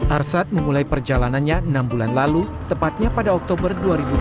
arshad memulai perjalanannya enam bulan lalu tepatnya pada oktober dua ribu dua puluh